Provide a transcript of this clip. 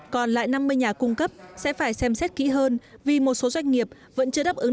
còn lại năm mươi nhà cung cấp sẽ phải xem xét kỹ hơn vì một số doanh nghiệp vẫn chưa đáp ứng